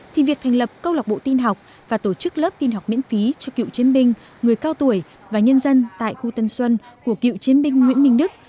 thì việc thành lập câu lạc bộ tin học và tổ chức lớp tin học miễn phí cho cựu chiến binh người cao tuổi và nhân dân tại khu tân xuân của cựu chiến binh nguyễn minh đức